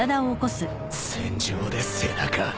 戦場で背中。